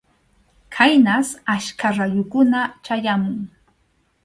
Khaynas achka rayukuna chayamun.